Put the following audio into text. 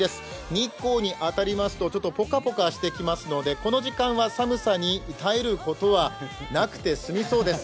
日光に当たりますとぽかぽかしてきますのでこの時間は寒さに耐えることはなくて済みそうです。